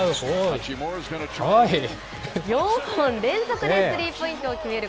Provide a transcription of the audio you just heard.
４本連続でスリーポイントを決める